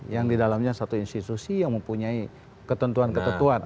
yang didalamnya satu institusi yang mempunyai ketentuan ketentuan